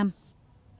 hẹn gặp lại